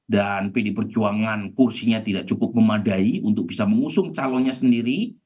dan pd perjuangan kursinya tidak cukup memadai untuk bisa mengusung calonnya sendiri